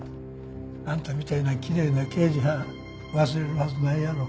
あんたみたいなきれいな刑事はん忘れるはずないやろ。